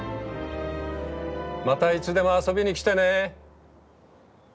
またいつでも遊びに来てね！